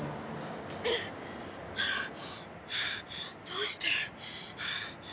どうして？